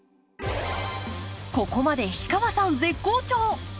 ここまで氷川さん絶好調！